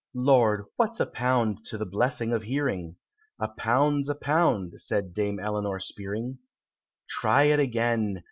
Lord! what's a pound to the blessing of hearing!" ("A pound's a pound," said Dame Eleanor Spearing.) "Try it again!